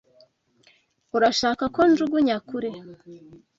Urashaka ko njugunya kure?